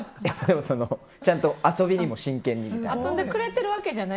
ちゃんと遊びにも真剣みたいな。